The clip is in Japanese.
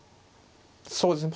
そうですね。